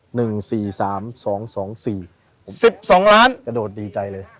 หนึ่งสี่สามสองสองสี่สิบสองล้านกระโดดดีใจเลย